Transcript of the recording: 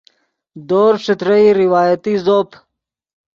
دورز ݯترئی روایتی زوپ